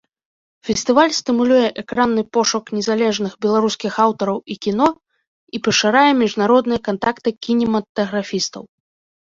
Фестываль стымулюе экранны пошук незалежных беларускіх аўтараў і кіно і пашырае міжнародныя кантакты кінематаграфістаў.